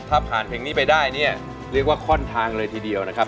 ถ้าผ่านเพลงนี้ไปได้เนี่ยเรียกว่าข้อนทางเลยทีเดียวนะครับ